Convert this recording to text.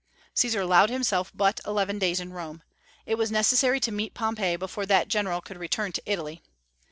Caesar allowed himself but eleven days in Rome. It was necessary to meet Pompey before that general could return to Italy.